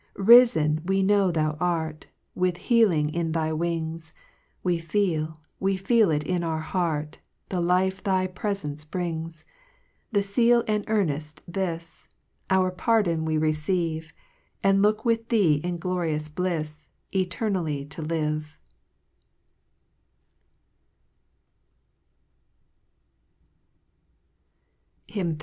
'"• 6 Rifen, we know thou art, With healing in thy wings, We feel, we feel it in our heart, The life thy prefence brings : The feal and earned this, Our pardon we receive, And look with thee in glorious blifs Eternally to live.